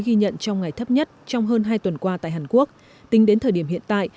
ghi nhận trong ngày thấp nhất trong hơn hai tuần qua tại hàn quốc tính đến thời điểm hiện tại